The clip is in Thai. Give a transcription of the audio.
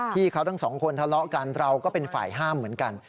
ทั้งสองคนทะเลาะกันเราก็เป็นฝ่ายห้ามเหมือนกัน